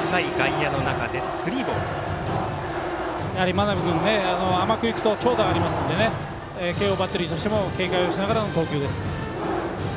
真鍋君、甘くいくと長打がありますので慶応バッテリーとしても警戒をしながらの投球です。